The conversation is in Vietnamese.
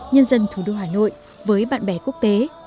nhân dân thủ đô hà nội với bạn bè quốc tế